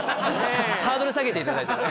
ハードル下げていただいて。